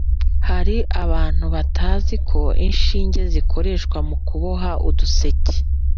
hariho abantu batazi ko inshinge zikoreshwa mukuboha uduseke